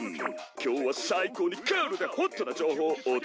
今日は最高にクールでホットな情報お届けするよ。